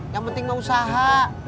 yang penting usaha